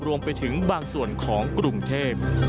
รวมไปถึงบางส่วนของกรุงเทพ